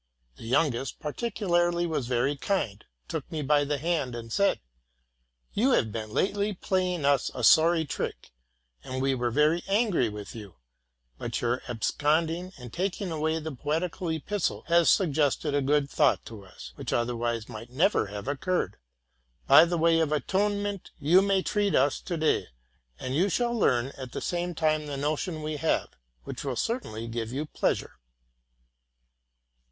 The youngest particularly was very kind, took me by the hand, and said, '* You have lately played us a sorry trick, and we were very angry with you; but your absconding and taking away the poetical epistle has sug gested a good thought to us, which otherwise might never have occurred. By way of atonement, you may treat us to day ; and you shall learn at the same time the notion we have, which will certainly give you pleasure.